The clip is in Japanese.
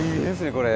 これ。